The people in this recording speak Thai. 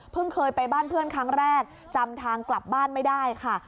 เคยไปบ้านเพื่อนครั้งแรกจำทางกลับบ้านไม่ได้ค่ะ